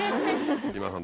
今田さん